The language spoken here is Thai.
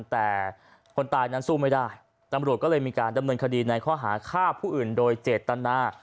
แต่คนตายนั้นสู้ไม่ได้ตำรวจก็เลยมีการดำเนินคดีในข้อหาฆ่าผู้อื่นโดยเจตนา